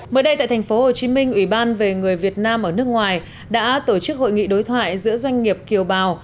mới đây tại tp hcm ủy ban về người việt nam ở nước ngoài đã tổ chức hội nghị đối thoại giữa doanh nghiệp kiều bào